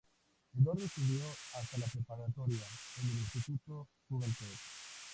Eduardo estudió hasta la preparatoria en el Instituto Juventud.